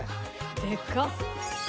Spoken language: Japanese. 「でかっ！」